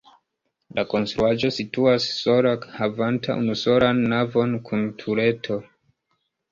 La konstruaĵo situas sola havanta unusolan navon kun tureto.